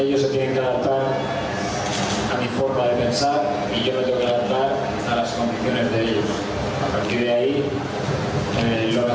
mereka harus mencari penyelidikan yang tepat dari cara saya berpikir dan saya harus mencari penyelidikan yang tepat dari kondisinya